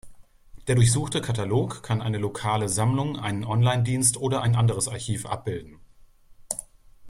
Der durchsuchte Katalog kann eine lokale Sammlung, einen Online-Dienst oder ein anderes Archiv abbilden.